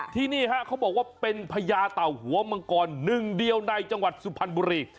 ที่นี่ฮะเขาบอกว่าเป็นพญาเต่าหัวมังกรหนึ่งเดียวในจังหวัดสุพรรณบุรี